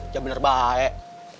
dia bener baik